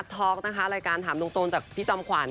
ท็อกนะคะรายการถามตรงจากพี่จอมขวัญ